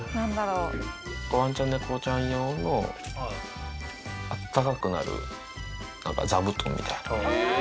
ワンちゃん猫ちゃん用のあったかくなる、なんか座布団みたいな。